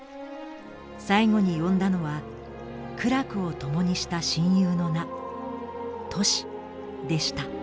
最後に呼んだのは苦楽を共にした親友の名トシでした。